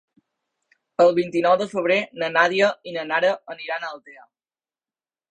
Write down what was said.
El vint-i-nou de febrer na Nàdia i na Nara aniran a Altea.